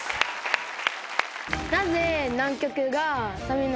なぜ。